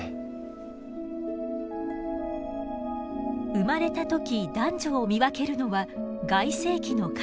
生まれた時男女を見分けるのは外性器の形。